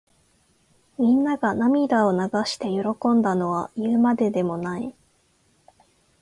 みんなが涙を流して喜んだのは言うまでもない。